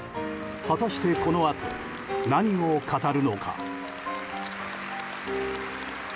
果たしてこのあと何を語るのか。